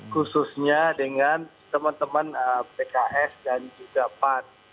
khususnya dengan teman teman pks dan juga pan